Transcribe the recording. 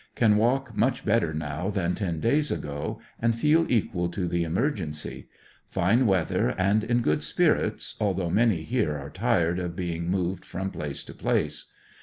Can walk much better now than ten days ago, and feel equal to the emergency. Fine weather and in good spirits, although many here are tired of being moved from place to place.